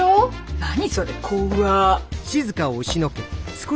何それ怖っ！